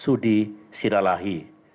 saudara sudi siralahi